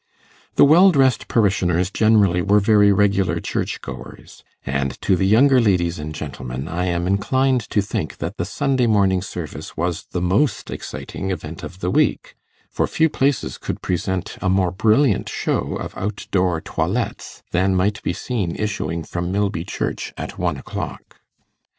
The well dressed parishioners generally were very regular church goers, and to the younger ladies and gentlemen I am inclined to think that the Sunday morning service was the most exciting event of the week; for few places could present a more brilliant show of out door toilettes than might be seen issuing from Milby church at one o'clock.